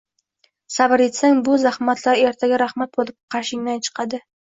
Sabr etsang, bu zaxmatlar ertaga rahmat bo'lib qarshingdan chiqadi.